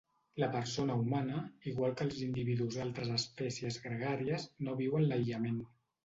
La persona humana, igual que els individus d'altres espècies gregàries, no viu en l'aïllament.